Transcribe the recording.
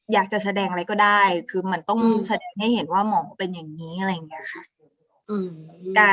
อยากจะแสดงอะไรก็ได้คือมันต้องให้เห็นว่าหมอเป็นอย่างนี้อะไรอย่างนี้ค่ะ